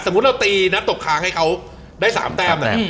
มุติเราตีนัดตกค้างให้เขาได้๓แต้มนะครับ